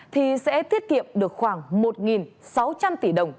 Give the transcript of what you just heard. thì sẽ tiết kiệm được khoảng một sáu trăm linh tỷ đồng